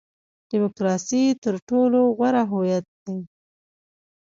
ډیموکراسي تر ټولو غوره هویت دی.